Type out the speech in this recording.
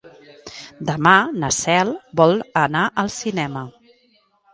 Demà na Cel vol anar al cinema.